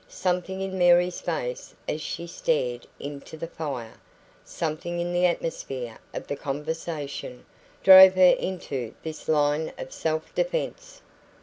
Something in Mary's face as she stared into the fire, something in the atmosphere of the conversation, drove her into this line of self defence.